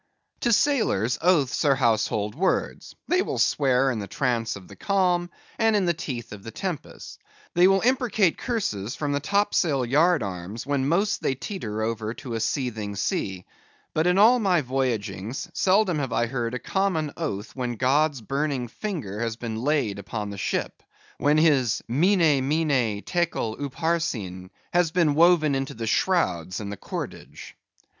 To sailors, oaths are household words; they will swear in the trance of the calm, and in the teeth of the tempest; they will imprecate curses from the topsail yard arms, when most they teeter over to a seething sea; but in all my voyagings, seldom have I heard a common oath when God's burning finger has been laid on the ship; when His "Mene, Mene, Tekel Upharsin" has been woven into the shrouds and the cordage.